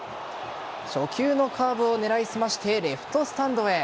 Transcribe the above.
初球のカーブを狙い澄ましてレフトスタンドへ。